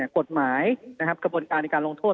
กฎหมายกระบวนการในการลงโทษ